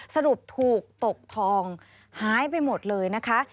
สรุปถูกตกทองหายไปหมดเลยนะคะ